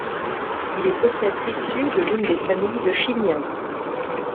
Il est peut-être issu de l'une des familles de Chignin.